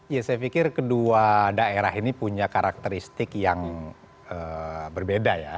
ya saya pikir kedua daerah ini punya karakteristik yang berbeda ya